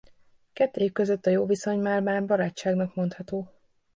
Kettejük között a jó viszony már-már barátságnak mondható.